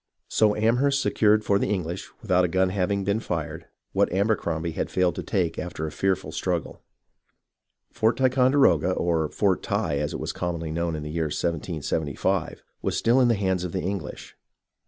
So Amherst secured for the English, without a gun having been fired, what Abercrombie had failed to take after a fearful struggle. Fort Ticonderoga, or " Fort Ty " as it was commonly known in the year 1/75, was still in the hands of the EngHsh.